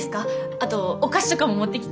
あとお菓子とかも持ってきて。